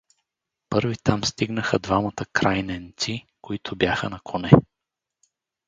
Първи там стигнаха двамата крайненци, които бяха на коне.